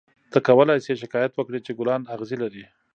ته کولای شې شکایت وکړې چې ګلان اغزي لري.